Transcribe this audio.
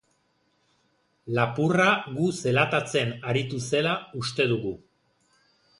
Lapurra gu zelatatzen aritu zela uste dugu.